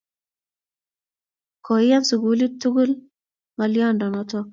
Koiyan sukulit tukul ng'alyondo notok